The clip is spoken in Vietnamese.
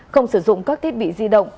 không sử dụng các thiết bị di động